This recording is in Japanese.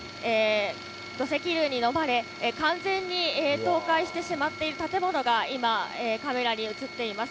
土石流に飲まれ、完全に倒壊してしまっている建物が今、カメラに写っています。